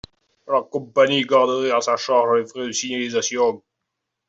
La compagnie garderait à sa charge les frais de signalisation.